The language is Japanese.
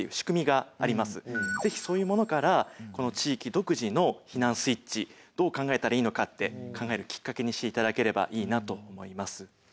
ぜひそういうものからこの地域独自の避難スイッチどう考えたらいいのかって考えるきっかけにして頂ければいいなと思います。